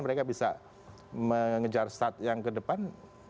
mereka bisa mengejar start yang ke depan